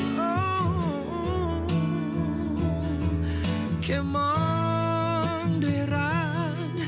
แค่มองด้วยรัก